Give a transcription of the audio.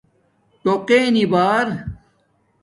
ٹݸ قنی بار